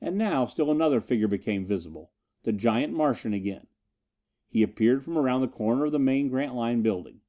And now still another figure became visible the giant Martian again. He appeared from around the corner of the main Grantline building.